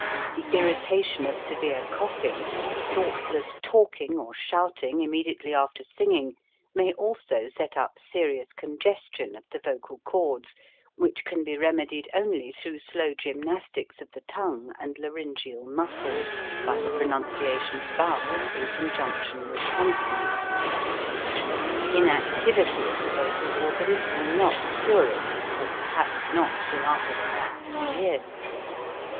The irritation of severe coughing, thoughtless THE SINGER'S PHYSIOLOGICAL STUDIES 45 talking or shouting immediately after singing may also set up serious congestion of the vocal cords, which can be remedied only through slow gymnastics of the tongue and laryngeal muscles, by the pronunciation of vowels in conjunction with consonants. Inactivity of the vocal organs will not cure it, or perhaps not till after the lapse of years.